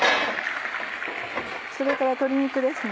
それから鶏肉です。